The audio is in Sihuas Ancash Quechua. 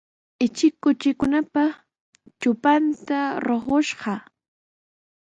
Ichik kuchikunapa trupanta ruqushqa.